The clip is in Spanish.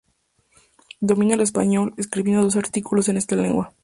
Dominaba el español, escribiendo dos artículos en esta lengua.